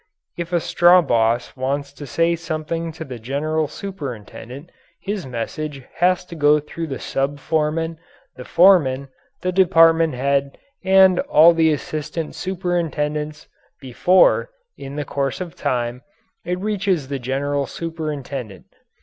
If a straw boss wants to say something to the general superintendent, his message has to go through the sub foreman, the foreman, the department head, and all the assistant superintendents, before, in the course of time, it reaches the general superintendent.